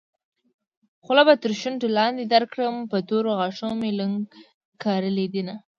خوله به تر شونډو لاندې درکړم په تورو غاښو مې لونګ کرلي دينه